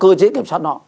có cơ chế kiểm soát đó